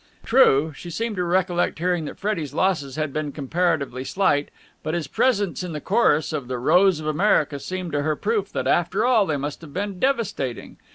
True, she seemed to recollect hearing that Freddie's losses had been comparatively slight, but his presence in the chorus of "The Rose of America" seemed to her proof that after all they must have been devastating.